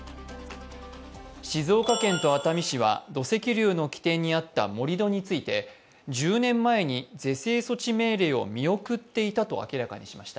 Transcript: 静岡県と熱海市は土石流の起点にあった盛り土について１０年前に是正措置命令を見送っていたと明らかにしました。